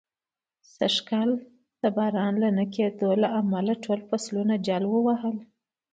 سږ کال د باران د نه کېدلو له امله، ټول فصلونه جل و وهل.